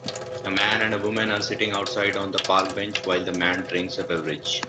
A man and woman are sitting outside on a park bench while the man drinks a beverage.